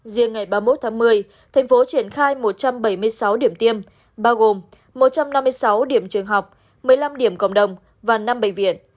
riêng ngày ba mươi một tháng một mươi thành phố triển khai một trăm bảy mươi sáu điểm tiêm bao gồm một trăm năm mươi sáu điểm trường học một mươi năm điểm cộng đồng và năm bệnh viện